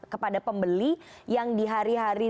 kepada pembeli yang di hari hari